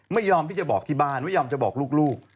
ไม่ยอมที่จะบอกที่บ้านไม่ยอมจะบอกลูก